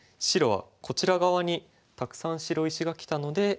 白はこちら側にたくさん白石がきたので。